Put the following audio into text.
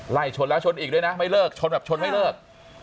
ไล่ชนแล้วชนอีกด้วยนะไม่เลิกชนแบบชนไม่เลิก